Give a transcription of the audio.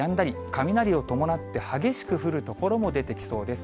雷を伴って、激しく降る所も出てきそうです。